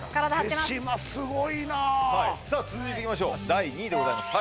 手島すごいなさあ続いていきましょう第２位でございます